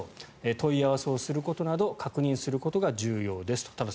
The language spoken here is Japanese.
問い合わせをすることなど確認することが重要ですと。